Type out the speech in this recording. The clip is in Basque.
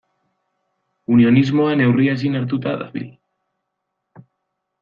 Unionismoa neurria ezin hartuta dabil.